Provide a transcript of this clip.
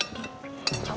aduh mas randy